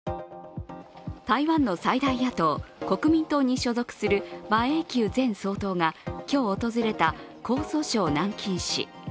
台湾の最大野党・国民党に所属する馬英九前総統が今日訪れた江蘇省・南京市。